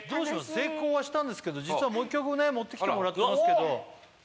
成功はしたんですけど実はもう１曲ね持ってきてもらってますけどもちろん